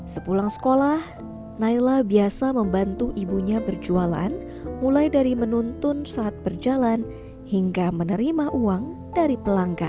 sepulang sekolah naila biasa membantu ibunya berjualan mulai dari menuntun saat berjalan hingga menerima uang dari pelanggan